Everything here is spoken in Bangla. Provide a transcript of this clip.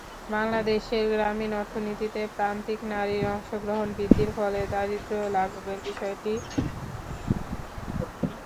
বাংলাদেশের গ্রামীণ অর্থনীতিতে প্রান্তিক নারীর অংশগ্রহণ বৃদ্ধির ফলে দারিদ্র্য লাঘবের বিষয়টি সুবিদিত।